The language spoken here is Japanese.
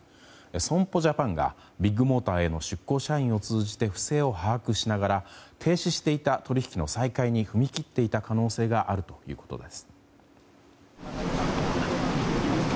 損保ジャパンがビッグモーターへの出向社員を通じて不正を把握しながら停止していた取引の再開に踏み切っていた可能性があるということです。